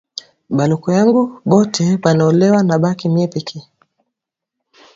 Baloko yangu bote banaolewa nabaki mie peke